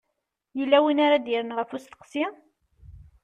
Yella win ara d-yerren ɣef usteqsi?